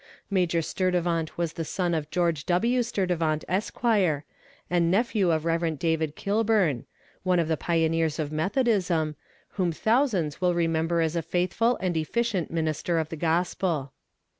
Major Sturtevant was the son of George W. Sturtevant, Esq., and nephew of Rev. David. Kilburn one of the pioneers of Methodism whom thousands will remember as a faithful and efficient minister of the Gospel.